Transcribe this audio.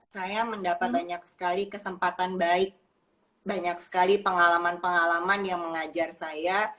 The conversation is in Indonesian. saya mendapat banyak sekali kesempatan baik banyak sekali pengalaman pengalaman yang mengajar saya